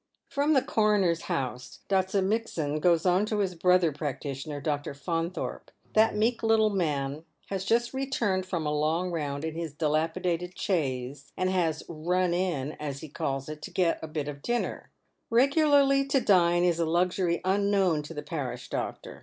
From the coroner's house Dr. Mitsand goes on to his brother practitioner. Dr. Faunthorpe. That meek little man has just returned from a long round in his dilapidated chaise, and has •' run in," as he calls it, to get a little bit of dinner. Regularly to dine is a luxury unknown to the parish doctor.